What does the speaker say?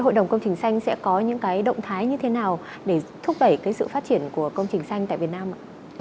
hội đồng công trình xanh sẽ có những cái động thái như thế nào để thúc đẩy cái sự phát triển của công trình xanh tại việt nam ạ